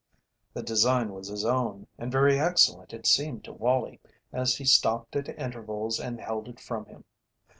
The design was his own, and very excellent it seemed to Wallie as he stopped at intervals and held it from him.